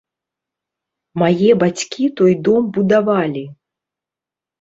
Мае бацькі той дом будавалі.